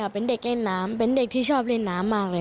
เป็นเด็กเล่นน้ำเป็นเด็กที่ชอบเล่นน้ำมากเลย